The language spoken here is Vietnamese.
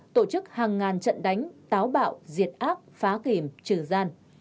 tổ chức hàng ngàn trận đánh táo bạo diệt ác phá kìm trừ gian